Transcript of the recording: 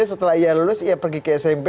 setelah ia lulus ia pergi ke smp